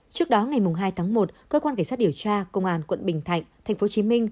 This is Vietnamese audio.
trước đó ngày hai tháng một cơ quan cảnh sát điều tra công an quận bình thạnh tp hcm